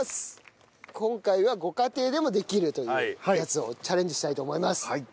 今回はご家庭でもできるというやつをチャレンジしたいと思います。